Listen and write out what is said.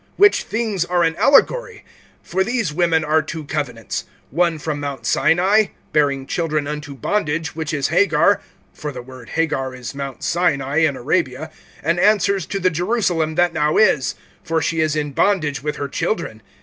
(24)Which things are an allegory[4:24]. For these women are two covenants, one from mount Sinai, bearing children into bondage, (25)which is Hagar (for the word Hagar is mount Sinai in Arabia), and answers to the Jerusalem that now is, for she is in bondage with her children.